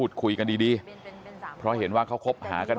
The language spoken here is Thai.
ตรของหอพักที่อยู่ในเหตุการณ์เมื่อวานนี้ตอนค่ำบอกให้ช่วยเรียกตำรวจให้หน่อย